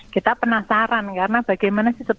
kita penasaran karena bagaimana sih